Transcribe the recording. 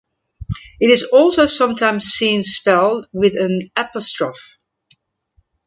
It is also sometimes seen spelled with an apostrophe.